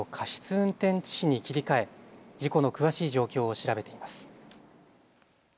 運転致死に切り替え事故の詳しい状況を調べています。